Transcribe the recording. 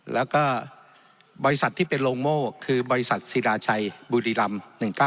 แล้วก็บริษัทที่เป็นโรงโม่คือบริษัทศิราชัยบุรีรำ๑๙